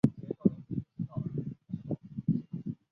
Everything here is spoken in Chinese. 素攀地是某些泰国学者宣称曾经建立在其中部的古国。